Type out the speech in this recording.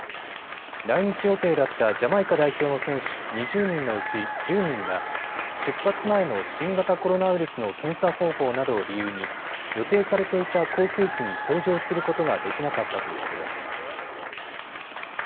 来日予定だったジャマイカ代表の選手２０人のうち１０人が、出発前の新型コロナウイルスの検査方法などを理由に予定されていた航空機に搭乗することができなかったということです。